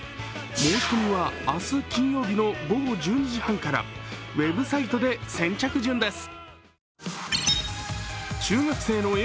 申し込みは明日金曜日の午後１２時半からウェブサイトで先着順です。